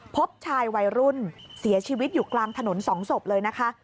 พบชายวัยรุ่นเสียชีวิตอยู่กลางถนน๒ศพเลยนะคะ